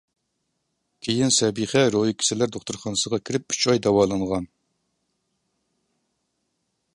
كېيىن سەبىخە روھىي كېسەللەر دوختۇرخانىسىغا كىرىپ ئۈچ ئاي داۋالانغان.